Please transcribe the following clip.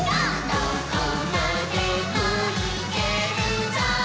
「どこまでもいけるぞ！」